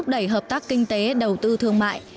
đẩy hợp tác kinh tế đầu tư thương mại